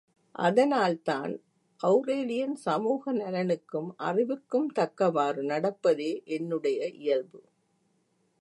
அதனால் தான் ஒளரேலியன் சமூக நலனுக்கும் அறிவுக்கும் தக்கவாறு நடப்பதே என்னுடைய இயல்பு.